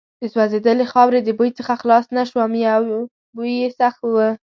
د سوځېدلې خاورې د بوی څخه خلاص نه شوم، بوی یې سخت و.